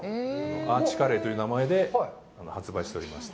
アーチカレーという名前で発売しておりました。